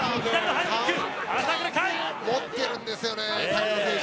持ってるんですよね瀧澤選手。